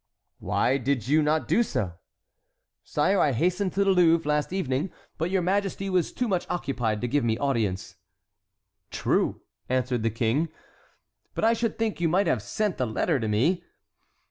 "Why did you not do so?" "Sire, I hastened to the Louvre last evening, but your majesty was too much occupied to give me audience." "True!" answered the king; "but I should think you might have sent the letter to me?"